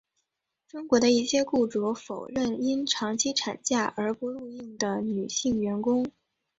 中国的一些雇主否认因长期产假而不录用女性员工。